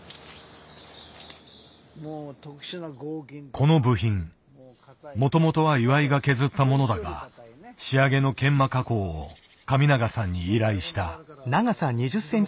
この部品もともとは岩井が削ったものだが仕上げの研磨加工を神永さんに依頼した。